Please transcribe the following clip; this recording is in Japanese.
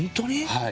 はい。